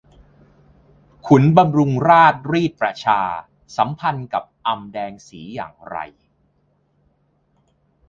ขุนบำรุงราชรีดประชาสัมพันกับอำแดงสีอย่างไร